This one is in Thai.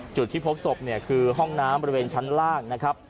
จุดที่พบศพเนี่ยคือห้องน้ำบริเวณชั้นล่างนะครับ